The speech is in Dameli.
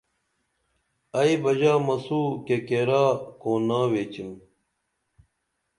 ائی بہ ژا مسوں کے کیرا کونہ کونا ویچِم